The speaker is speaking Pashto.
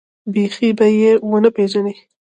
بيخي به يې ونه پېژنې.